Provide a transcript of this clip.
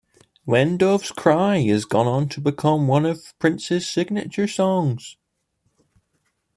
"When Doves Cry" has gone on to become one of Prince's signature songs.